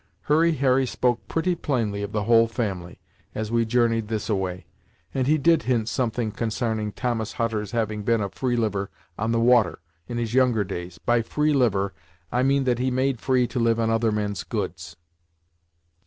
Hurry Harry spoke pretty plainly of the whole family, as we journeyed this a way, and he did hint something consarning Thomas Hutter's having been a free liver on the water, in his younger days. By free liver, I mean that he made free to live on other men's goods."